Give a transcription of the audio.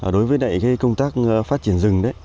đối với công tác phát triển rừng